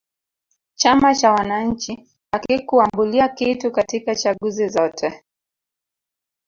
chama cha wananchi hakikuambulia kitu katika chaguzi zote